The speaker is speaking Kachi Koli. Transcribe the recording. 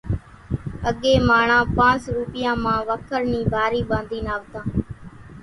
اڳيَ ماڻۿان پانس روپيان مان وکر نِي ڀارِي ٻاڌينَ آوتان۔